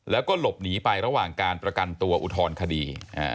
แล้วก็หลบหนีไประหว่างการประกันตัวอุทธรณคดี